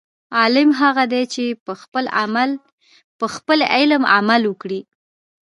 عالم هغه دی، چې په خپل علم عمل وکړي.